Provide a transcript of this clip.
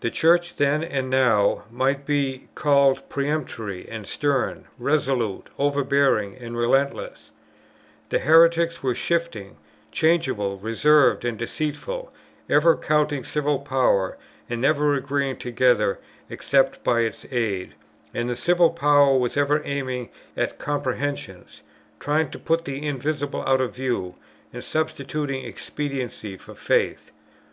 The Church then, as now, might be called peremptory and stern, resolute, overbearing, and relentless; and heretics were shifting, changeable, reserved, and deceitful, ever courting civil power, and never agreeing together, except by its aid; and the civil power was ever aiming at comprehensions, trying to put the invisible out of view, and substituting expediency for faith.